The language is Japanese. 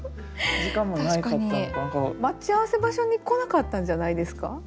待ち合わせ場所に来なかったんじゃないですか。